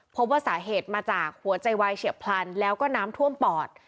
พบว่าสาเหตุมาจากหัวใจวายเฉียบพลันแล้วก็น้ำท่วมปอด